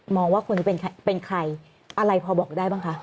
ว่าคุณเป็นใครอะไรพอบอกได้บ้างคะ